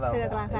sudah terlah sana